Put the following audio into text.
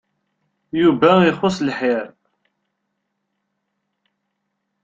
Yuba ixuṣ lḥir.